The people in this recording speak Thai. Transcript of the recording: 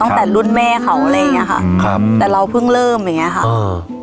ตั้งแต่รุ่นแม่เขาอะไรอย่างเงี้ยค่ะครับแต่เราเพิ่งเริ่มอย่างเงี้ค่ะเออ